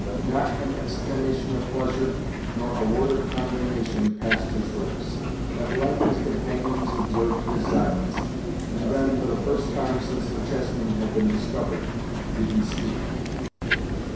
Not an exclamation of pleasure, nor a word of condemnation passed his lips. At length his companions observed his silence, and then, for the first time since the chessmen had been discovered, did he speak.